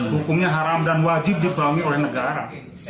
hukumnya haram dan wajib dibawahi oleh negara